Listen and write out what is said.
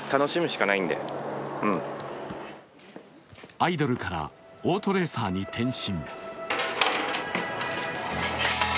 アイドルからオートレーサーに転身。